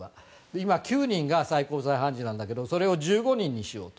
今、９人が最高裁判事なんだけどそれを１５人にしようと。